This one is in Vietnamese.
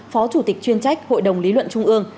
phó chủ tịch chuyên trách hội đồng lý luận trung ương